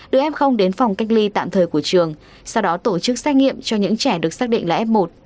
đưa em không đến phòng cách ly tạm thời của trường sau đó tổ chức xét nghiệm cho những trẻ được xác định là f một